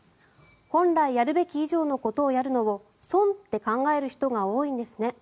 本来やるべき以上のことをやるのを損って考える人が多いんですね